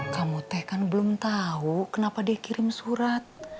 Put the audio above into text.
kamu teh kan belum tahu kenapa dikirim surat